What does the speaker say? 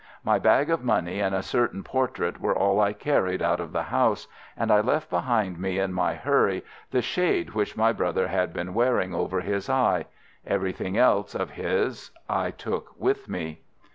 My bag of money and a certain portrait were all I carried out of the house, and I left behind me in my hurry the shade which my brother had been wearing over his eye. Everything else of his I took with me.